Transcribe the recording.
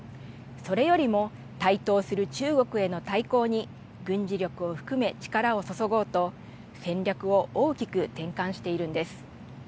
それよりも台頭する中国への対抗に、軍事力を含め、力を注ごうと、戦略を大きく転換しているんです。